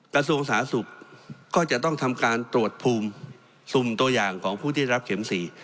กระทรวงสาธารณสุขก็จะต้องทำการตรวจภูมิสุ่มตัวอย่างของผู้ที่รับเข็ม๔